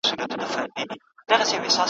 زما له موج سره یاري ده له توپان سره همزولی `